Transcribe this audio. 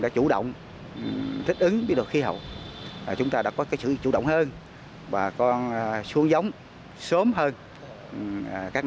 tự động thích ứng với độ khí hậu chúng ta đã có cái sự chủ động hơn và con xuống giống sớm hơn các